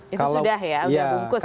itu sudah ya sudah bungkus ya